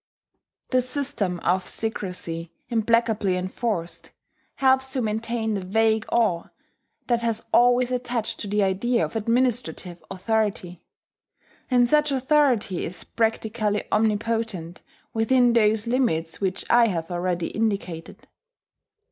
The system of secrecy, implacably enforced, helps to maintain the vague awe that has always attached to the idea of administrative authority; and such authority is practically omnipotent within those limits which I have already indicated.